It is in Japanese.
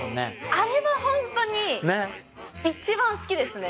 あれはホントに一番好きですね